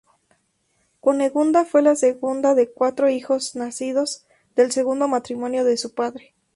Cunegunda fue la segunda de cuatro hijos nacidos del segundo matrimonio de su padre.